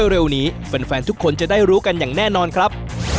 เร็วนี้แฟนทุกคนจะได้รู้กันอย่างแน่นอนครับ